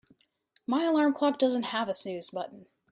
My alarm clock doesn't have a snooze button.